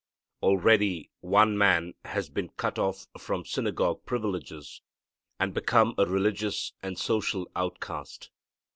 Already one man has been cut off from synagogue privileges, and become a religious and social outcast.